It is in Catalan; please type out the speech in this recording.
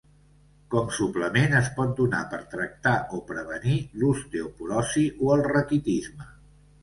Com suplement es pot donar per tractar o prevenir l'osteoporosi o el raquitisme.